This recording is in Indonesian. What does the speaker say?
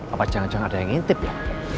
apa jangan jangan ada yang ngintip ya